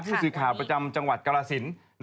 ผู้สืบข่าวประจำจังหวัดกรศิลป์นะครับ